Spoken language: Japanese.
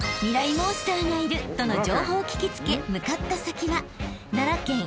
モンスターがいるとの情報を聞き付け向かった先は］